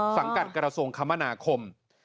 พหังกับกรสงค์คมณาคม